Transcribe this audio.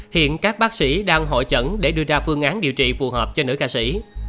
hiện các bác sĩ đang hội chẩn để đưa ra phương án điều trị phù hợp cho nữ ca sĩ